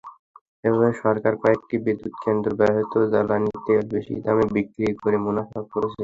এভাবে সরকার কয়েকটি বিদ্যুৎকেন্দ্রে ব্যবহৃত জ্বালানি তেল বেশি দামে বিক্রি করে মুনাফা করছে।